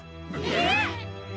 えっ！？